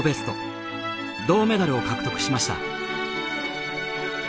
銅メダルを獲得しました。